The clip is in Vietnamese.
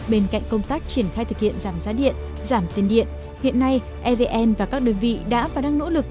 bên cạnh công tác triển khai thực hiện giảm giá điện giảm tiền điện hiện nay evn và các đơn vị đã và đang nỗ lực